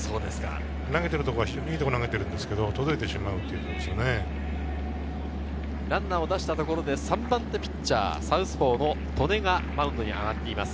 投げているところは非常にいいところに投げていますが届いてしまランナーを出したところで３番手ピッチャー、サウスポーの戸根がマウンドに上がっています。